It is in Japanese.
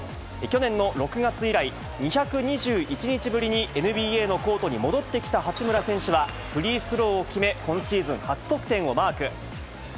去年の６月以来、２２１日ぶりにＮＢＡのコートに戻ってきた八村選手は、フリースローを決め、今シーズン初得点をマーク。